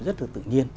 rất là tự nhiên